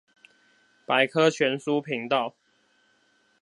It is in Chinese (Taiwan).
百科全書頻道